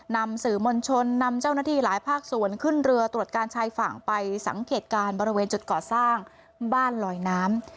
นำสื่อมวลชนนำเจ้าหน้าที่หลายภาคส่วนขึ้นเรือตรวจการชายฝั่งไปสังเกตการณ์บริเวณจุดก่อสร้างบ้านลอยน้ำ